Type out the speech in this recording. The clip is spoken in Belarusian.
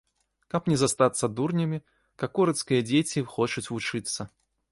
Каб не застацца дурнямі, какорыцкія дзеці хочуць вучыцца.